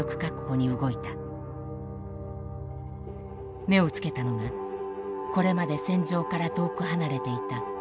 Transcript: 目をつけたのがこれまで戦場から遠く離れていた若者や子供たちだった。